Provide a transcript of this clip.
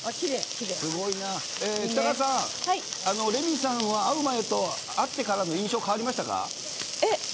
北川さんレミさんは会う前と会ってからの印象変わりましたか？